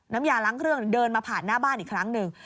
น้ำยาล้างเครื่องเดินมาผ่านหน้าบ้านอีกครั้งหนึ่ง